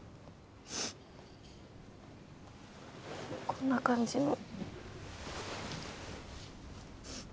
こんな感じの。